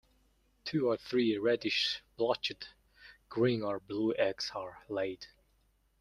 Two or three reddish-blotched green or blue eggs are laid.